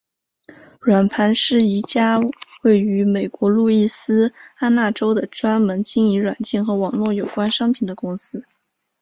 软盘是一家位于美国路易斯安那州的专门经营软件和网络有关商品的公司。